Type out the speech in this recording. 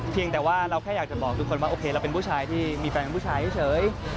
แต่ว่าเราแค่อยากจะบอกทุกคนว่าโอเคเราเป็นผู้ชายที่มีแฟนเป็นผู้ชายเฉย